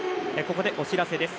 ここでお知らせです。